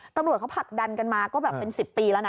ตำรวจเขาผลักดันกันมาก็แบบเป็น๑๐ปีแล้วนะ